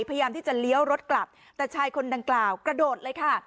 พยายามที่จะเลี้ยวรถกลับแต่ชายคนดังกล่าวกระโดดเลยค่ะ